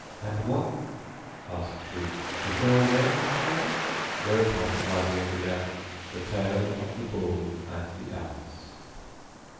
"And what," asked she, "befel them, O my father?" Whereupon the Wazir began the Tale of the Bull[FN#23] and the Ass.